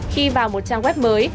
khi vào một trang web mới